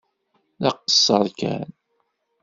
D aqeṣṣeṛ kan.